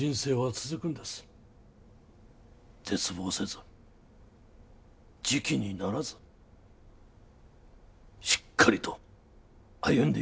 絶望せず自棄にならずしっかりと歩んでいきましょう。